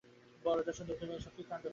বরদাসুন্দরী কহিলেন, এ-সব কী কাণ্ড হচ্ছে!